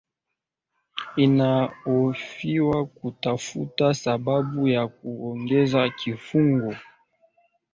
inahofiwa kutafuta sababu ya kuongeza kifungo